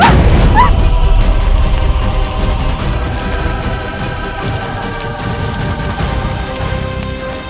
oh tuhan kesian sekali dia